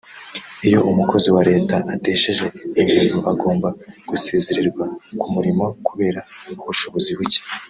Iyo umukozi wa Leta atesheje imihigo agomba gusezererwa ku murimo kubera ubushobozi buke